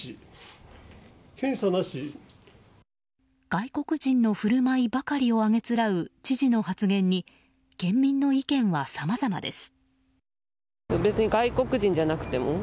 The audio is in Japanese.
外国人の振る舞いばかりをあげつらう知事の発言に県民の意見はさまざまです。